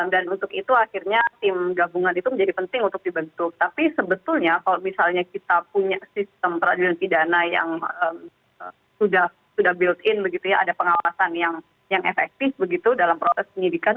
dan untuk itu akhirnya tim gabungan itu menjadi penting untuk dibentuk tapi sebetulnya kalau misalnya kita punya sistem teradil dan pidana yang sudah built in begitu ya ada pengawasan yang efektif begitu dalam proses penyelidikan